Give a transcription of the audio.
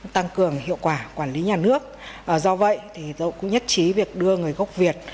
tăng cường hiệu quả quản lý nhà nước do vậy tôi cũng nhất trí việc đưa người gốc việt